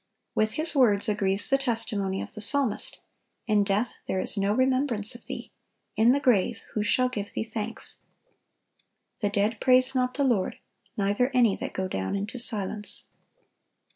With his words agrees the testimony of the psalmist: "In death there is no remembrance of Thee: in the grave who shall give Thee thanks?" "The dead praise not the Lord, neither any that go down into silence."